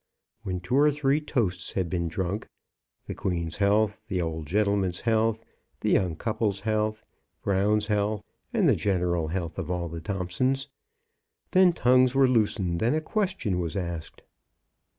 When two or three toasts had been drunk — the Queen's health, the old gentleman's health, the young couple's health. Brown's health, and the general health of all the Thompsons — then tongues were loosened and a question was asked.